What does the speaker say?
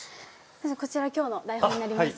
こちら今日の台本になります。